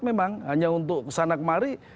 memang hanya untuk kesana kemari